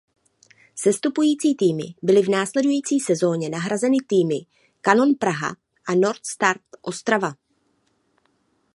Sestupující týmy byly v následující sezóně nahrazeny týmy Kanon Praha a North Stars Ostrava.